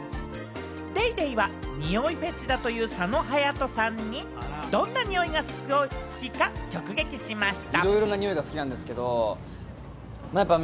『ＤａｙＤａｙ．』は匂いフェチだという佐野勇斗さんにどんな匂いが好きか直撃しました。